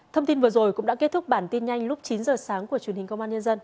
thông tin vừa rồi cũng đã kết thúc bản tin nhanh lúc chín giờ sáng của truyền hình công an nhân dân